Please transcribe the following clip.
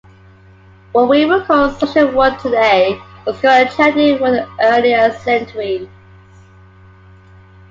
What we would call 'social work' today was called charity work in earlier centuries.